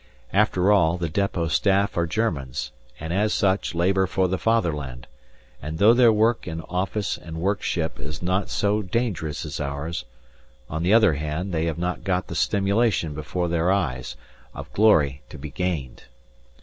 After all, the depot staff are Germans, and as such labour for the Fatherland, and though their work in office and workship is not so dangerous as ours, on the other hand they have not got the stimulation before their eyes, of glory to be gained.